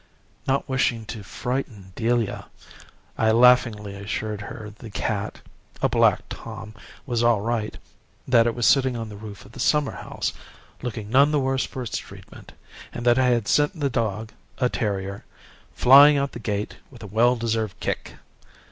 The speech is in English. Not wishing to frighten Delia, I laughingly assured her the cat a black Tom was all right, that it was sitting on the roof of the summer house, looking none the worse for its treatment, and that I had sent the dog a terrier flying out of the gate with a well deserved kick.